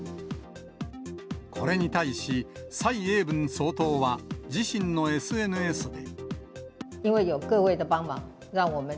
これに対し、蔡英文総統は自身のＳＮＳで。